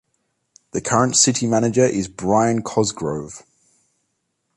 The current city manager is Bryan Cosgrove.